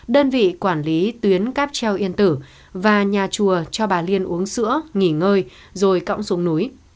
đơn vị quản lý tuyến cáp treo yên tử và nhà chùa cho bà liên uống sữa nghỉ ngơi rồi cõng xuống núi